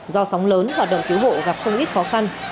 do sóng lớn hoạt động cứu hộ gặp không ít khó khăn